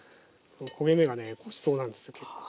焦げ目がねごちそうなんですよ結構。